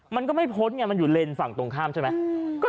มันก็ไม่พ้นไงมันอยู่เลนส์ฝั่งตรงข้ามใช่ไหม